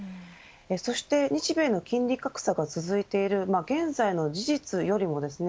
そして、日米の金利格差が続いている現在の事実よりもですね